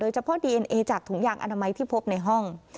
เฉพาะดีเอ็นเอจากถุงยางอนามัยที่พบในห้อง